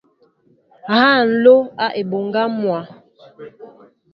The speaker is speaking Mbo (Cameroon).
Ha nló a e mɓoŋga mwa.